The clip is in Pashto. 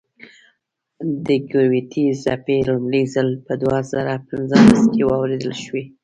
د ګرویتي څپې لومړی ځل په دوه زره پنځلس کې واورېدل شوې.